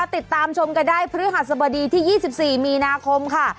ติดตามชมกันได้พฤหัสบดีที่๒๔มีนาคมค่ะ